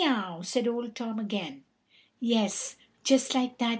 _" said Old Tom again. "Yes, just like that!"